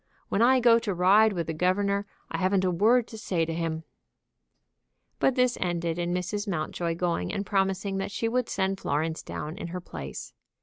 When I go to ride with the governor I haven't a word to say to him," But this ended in Mrs. Mountjoy going and promising that she would send Florence down in her place.